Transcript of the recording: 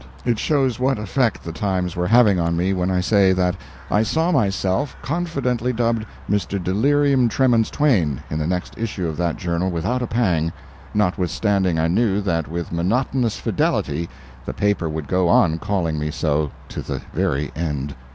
[It shows what effect the times were having on me when I say that I saw myself, confidently dubbed "Mr. Delirium Tremens Twain" in the next issue of that journal without a pang notwithstanding I knew that with monotonous fidelity the paper would go on calling me so to the very end.